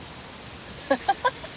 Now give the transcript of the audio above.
ハハハハハ。